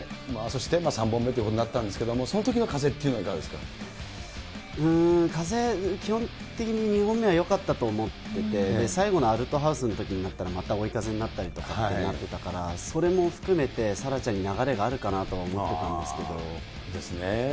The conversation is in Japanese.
そして３本目ということになったんですけど、そのときの風っていうのはいかが風、基本的に２本目はよかったと思ってて、最後のアルトハウスのときになったら、また追い風になったりとかってなってたから、それも含めて、沙羅ちゃんに流れがあるかなと思ってたんですけど。ですね。